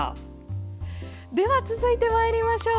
では、続いてまいりましょう。